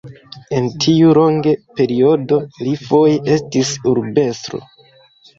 En tiu longe periodo li foje estis urbestro.